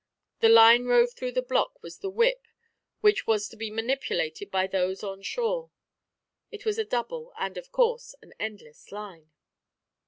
The line rove through the block was the "whip," which was to be manipulated by those on shore. It was a double, and, of course, an endless line.